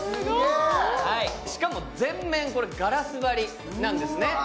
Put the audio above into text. しかも全面ガラス張りなんですね。